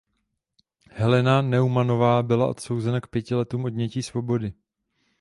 Helena Neumannová byla odsouzena k pěti letům odnětí svobody.